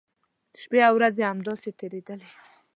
شپی او ورځې همداسې تېریدلې.